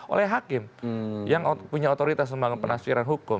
oleh hakim yang punya otoritas membangun penafsiran hukum